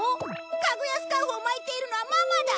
かぐやスカーフを巻いているのはママだ！